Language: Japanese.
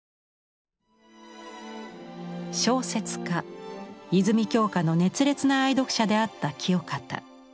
小説家泉鏡花の熱烈な愛読者であった清方。